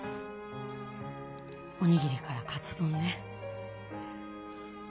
おにぎりからかつ丼ね。